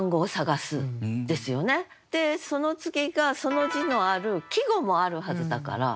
でその次がその字のある季語もあるはずだから。